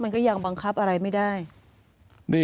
มันก็ยังบังคับอะไรไม่ได้